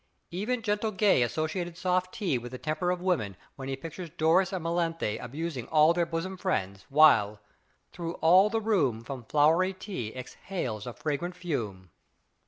Even gentle Gay associated soft tea with the temper of women when he pictures Doris and Melanthe abusing all their bosom friends, while "Through all the room From flowery tea exhales a fragrant fume."